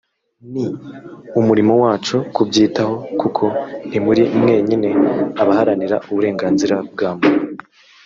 ni umurimo wacu kubyitaho kuko ntimuri mwenyine… (abaharanira uburenganzira bwa muntu)